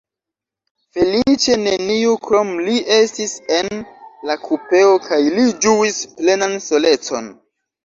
Feliĉe neniu krom li estis en la kupeo, kaj li ĝuis plenan solecon.